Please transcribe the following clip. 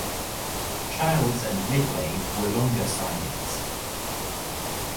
Childs and Midway were longer sidings.